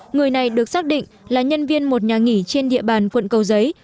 người này được xác định là nhân viên một nhà nghỉ trên địa bàn quận cầu giấy